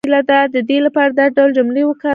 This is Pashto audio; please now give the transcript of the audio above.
د دې لپاره دا ډول جملې وکاروئ